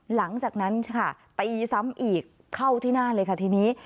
หลังจากนั้นค่ะตีซ้ำอีกเข้าที่หน้าเลยค่ะทีนี้